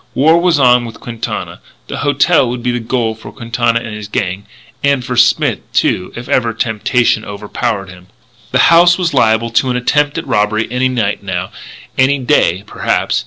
War was on with Quintana. The "hotel" would be the goal for Quintana and his gang. And for Smith, too, if ever temptation overpowered him. The house was liable to an attempt at robbery any night, now; any day, perhaps.